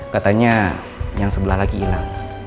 katanya yang sebelah lagi hilang